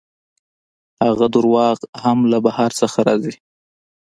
دغه درواغ هم له بهر څخه راځي.